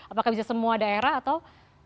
apakah bisa semua daerah atau